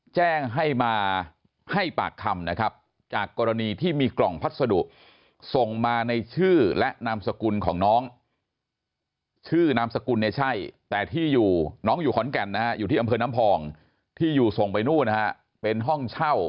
แจ้งให้มาให้ปากคำนะครับจากกรณีที่มีกล่องพัสดุส่งมาในชื่อและนามสกุลของน้อง